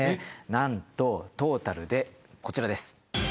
なんとトータルでこちらです。